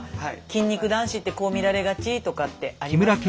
筋肉男子ってこう見られがちとかってありますか？